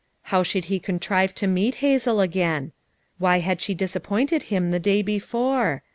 How should he contrive to meet Hazel again? Why had she disappointed him the day before?